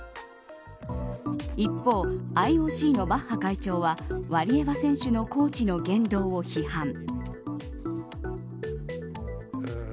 一方、ＩＯＣのバッハ会長はワリエワ選手のコーチの言動を批判。